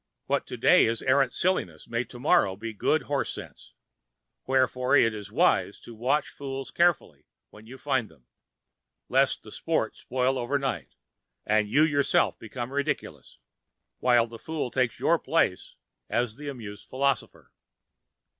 What today is arrant silliness may tomorrow be good horse sense, wherefore it is wise to watch fools carefully when you find them, lest the sport spoil overnight, and you yourself become ridiculous, while the fool takes your place as the amused philosopher.